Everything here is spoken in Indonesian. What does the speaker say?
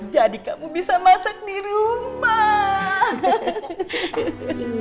jadi kamu bisa masak di rumah